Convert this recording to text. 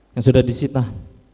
yang sudah disitah